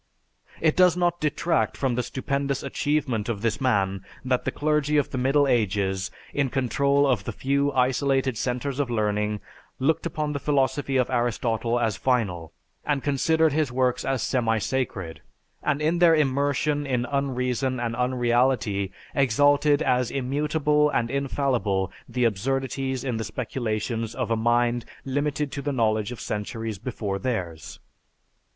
It does not detract from the stupendous achievement of this man that the clergy of the Middle Ages, in control of the few isolated centers of learning, looked upon the philosophy of Aristotle as final and considered his works as semi sacred, and in their immersion in un reason and unreality, exalted as immutable and infallible the absurdities in the speculations of a mind limited to the knowledge of centuries before theirs.